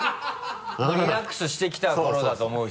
リラックスしてきた頃だと思うし。